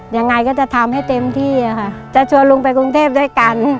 ยังไงก็จะทำให้เต็มที่อะค่ะจะชวนลุงไปกรุงเทพด้วยกัน